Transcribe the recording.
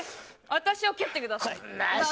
私を蹴ってください。